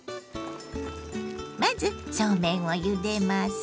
まずそうめんをゆでます。